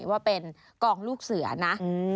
ว่าเป็นกองลูกเสือนะ